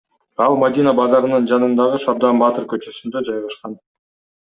Ал Мадина базарынын жанындагы Шабдан баатыр көчөсүндө жайгашкан.